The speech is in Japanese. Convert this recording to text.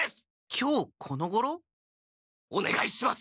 きょうこのごろ？おねがいします！